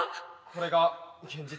これが現実。